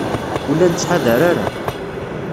Ur la nettḥadar ara.